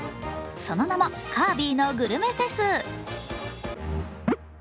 その名も「カービィのグルメフェス」